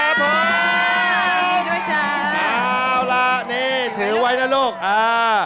เอาล่ะนี่ถือไว้นะลูกอ่า